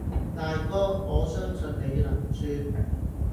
大哥，我相信你能説，